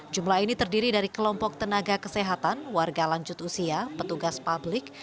jumlah ini terdiri dari kelompok tenaga kesehatan warga lanjut usia petugas publik